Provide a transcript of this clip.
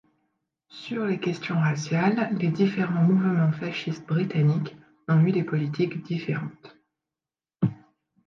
Sur les questions raciales, les différents mouvements fascistes britanniques ont eu des politiques différentes.